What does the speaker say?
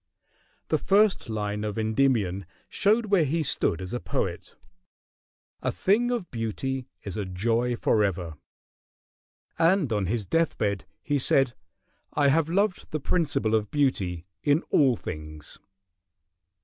The first line of "Endymion" showed where he stood as a poet, "A thing of beauty is a joy forever," and on his deathbed he said, "I have loved the principle of beauty in all things."